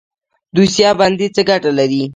دوسیه بندي څه ګټه لري؟